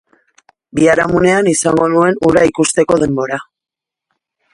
Biharamunean izango zuen hura ikusteko denbora.